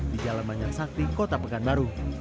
di jalan banyak sakti kota pekanbaru